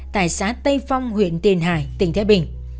tại xã tây phong huyện tiền hải tỉnh thái bình